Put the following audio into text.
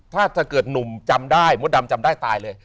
ถ้าเกิดหนุ่มจำได้มดดำจำได้ตายเลย